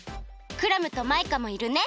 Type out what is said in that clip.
クラムとマイカもいるね？